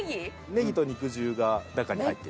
ネギと肉汁が中に入ってる。